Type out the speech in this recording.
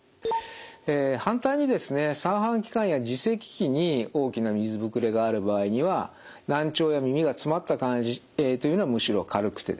反対にですね三半規管や耳石器に大きな水ぶくれがある場合には難聴や耳がつまった感じというのはむしろ軽くてですね